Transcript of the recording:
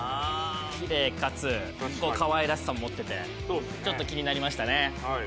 きれいかつかわいらしさも持っててちょっと気になりましたね。